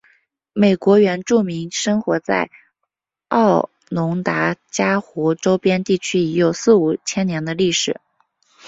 美国原住民生活在奥农达伽湖周边地区已有四五千年的历史。